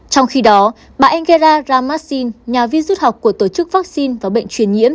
trong khi đó bà engera ramasin nhà vi rút học của tổ chức vaccine và bệnh truyền nhiễm